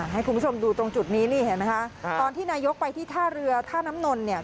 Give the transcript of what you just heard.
ให้คุณผู้ชมดูตรงจุดนี้นี่เห็นไหมคะตอนที่นายกไปที่ท่าเรือท่าน้ำนนเนี่ย